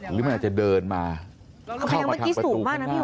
หรือมันอาจจะเดินมาเข้ามาทางประตูบ้าน